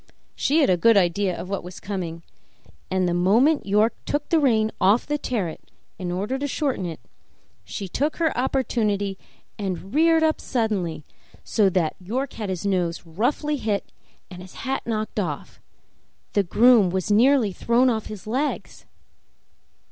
She had a good idea of what was coming, and the moment York took the rein off the terret in order to shorten it she took her opportunity and reared up so suddenly that York had his nose roughly hit and his hat knocked off; the groom was nearly thrown off his legs.